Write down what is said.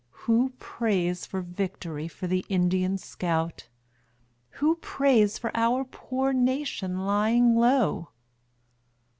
Who prays for vict'ry for the Indian scout? Who prays for our poor nation lying low?